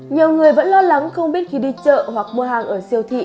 nhiều người vẫn lo lắng không biết khi đi chợ hoặc mua hàng ở siêu thị